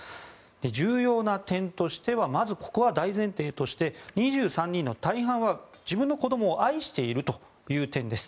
重要な点としてまずここは大前提として２３人の大半は自分の子供を愛しているという点です。